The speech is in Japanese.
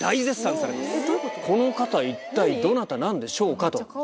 この方一体どなたなんでしょうか？